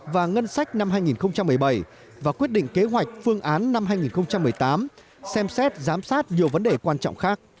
và ngân sách năm hai nghìn một mươi bảy và quyết định kế hoạch phương án năm hai nghìn một mươi tám xem xét giám sát nhiều vấn đề quan trọng khác